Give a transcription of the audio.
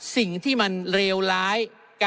สิ่งที่มันเลวร้าย